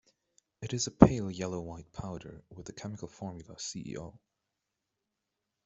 It is a pale yellow-white powder with the chemical formula CeO.